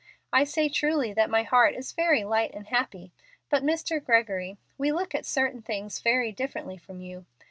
I say truly that my heart is very light and happy. But, Mr. Gregory, we look at certain things very differently from you.